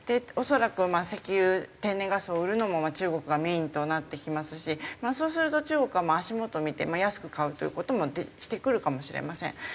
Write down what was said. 恐らく石油天然ガスを売るのも中国がメインとなってきますしそうすると中国は足元見て安く買うという事もしてくるかもしれません。